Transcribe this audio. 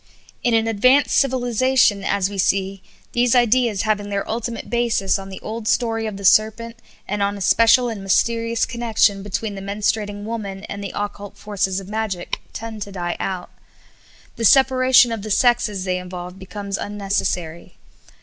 In an advanced civilization, as we see, these ideas having their ultimate basis on the old story of the serpent, and on a special and mysterious connection between the menstruating woman and the occult forces of magic, tend to die out. The separation of the sexes they involve becomes unnecessary.